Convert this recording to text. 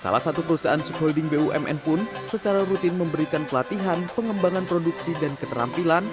salah satu perusahaan subholding bumn pun secara rutin memberikan pelatihan pengembangan produksi dan keterampilan